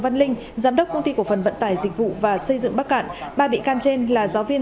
văn linh giám đốc công ty cổ phần vận tải dịch vụ và xây dựng bắc cạn ba bị can trên là giáo viên